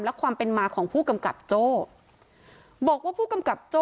และความเป็นมาของผู้กำกับโจ้บอกว่าผู้กำกับโจ้